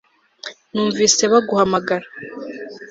numvise baguhamagara